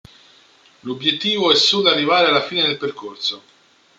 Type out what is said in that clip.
L'obiettivo è solo arrivare alla fine del percorso.